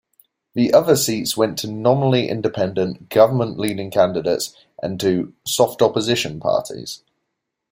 The other seats went to nominally independent, government-leaning candidates, and to "soft opposition" parties.